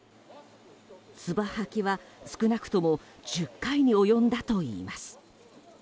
つば吐きは少なくとも１０回に及んだといいます。